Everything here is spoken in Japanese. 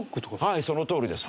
はいそのとおりです。